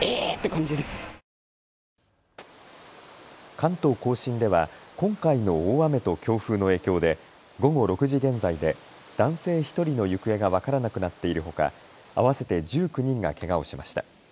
関東甲信では今回の大雨と強風の影響で午後６時現在で男性１人の行方が分からなくなっているほか合わせて１９人がけがをしました。